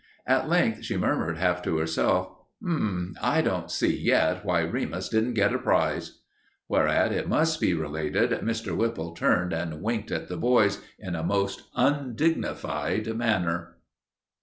At length she murmured, half to herself, "Hm! I don't see yet why Remus didn't get a prize." Whereat, it must be related, Mr. Whipple turned and winked at the boys in a most undignified manner.